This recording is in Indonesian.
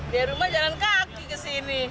di rumah jalan kaki ke sini